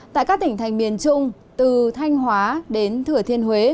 tại các tỉnh thành miền trung từ thanh hóa đến thừa thiên huế